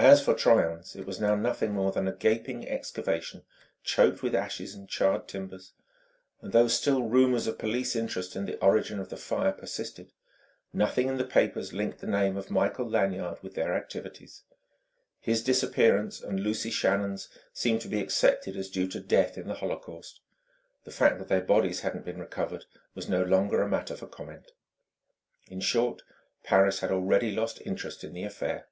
As for Troyon's, it was now nothing more than a gaping excavation choked with ashes and charred timbers; and though still rumours of police interest in the origin of the fire persisted, nothing in the papers linked the name of Michael Lanyard with their activities. His disappearance and Lucy Shannon's seemed to be accepted as due to death in the holocaust; the fact that their bodies hadn't been recovered was no longer a matter for comment. In short, Paris had already lost interest in the affair.